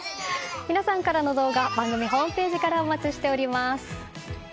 皆さんからの動画番組ホームページからお待ちしております。